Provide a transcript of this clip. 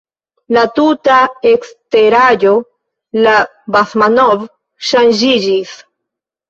La tuta eksteraĵo de Basmanov ŝanĝiĝis.